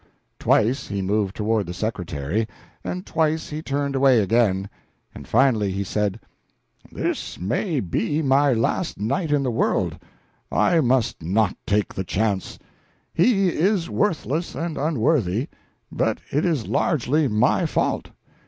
Twice he moved toward the secretary, and twice he turned away again; but finally he said "This may be my last night in the world I must not take the chance. He is worthless and unworthy, but it is largely my fault.